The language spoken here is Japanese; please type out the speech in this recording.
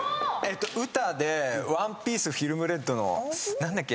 ウタで『ＯＮＥＰＩＥＣＥＦＩＬＭＲＥＤ』の何だっけ？